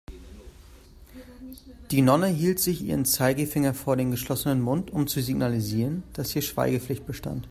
Die Nonne hielt sich ihren Zeigefinger vor den geschlossenen Mund, um zu signalisieren, dass hier Schweigepflicht bestand.